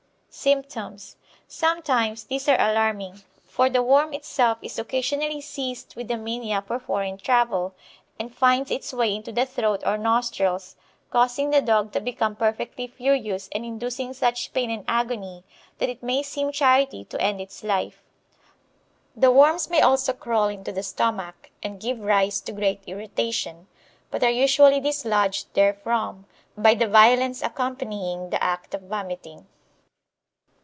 Symptoms Sometimes these are alarming, for the worm itself is occasionally seized with the mania for foreign travel, and finds its way into the throat or nostrils, causing the dog to become perfectly furious, and inducing such pain and agony that it may seem charity to end its life. The worms may also crawl into the stomach, and give rise to great irritation, but are usually dislodged therefrom by the violence accompanying the act of vomiting.